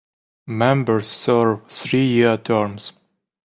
Members serve three-year terms.